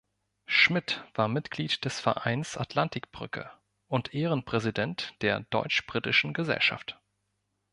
Schmidt war Mitglied des Vereins Atlantik-Brücke und Ehrenpräsident der Deutsch-Britischen Gesellschaft.